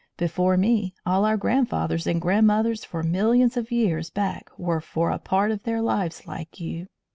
Before me, all our grandfathers and grandmothers for millions of years back were for a part of their lives like you.